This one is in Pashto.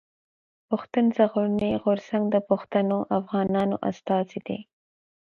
پښتون ژغورني غورځنګ د پښتنو افغانانو استازی دی.